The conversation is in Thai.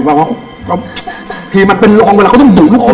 คือเมื่อกี้อาจจะเป็นลองเวลาเค้าต้องดุลุคลุ่ม